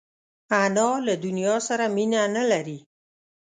انا له دنیا سره مینه نه لري